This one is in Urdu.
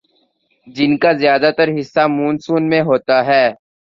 جن کا زیادہ تر حصہ مون سون میں ہوتا ہے